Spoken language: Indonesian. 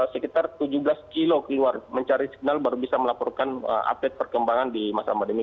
sekitar tujuh belas kilo keluar mencari signal baru bisa melaporkan update perkembangan di masa pandemi